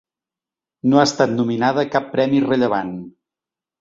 No ha estat nominada a cap premi rellevant.